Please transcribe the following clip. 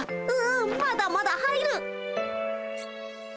うんまだまだ入る！